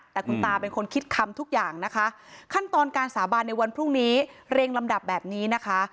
แต่คุณตาเป็นคนคิดคำทุกอย่างนะคะขั้นตอนการสาบานในวันพรุ่งนี้เรียงลำดับแบบนี้นะคะ